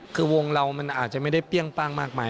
คือวงเรามันอาจจะไม่ได้เปรี้ยงป้างมากมาย